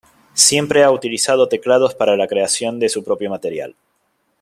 Siempre ha utilizado teclados para la creación de su propio material.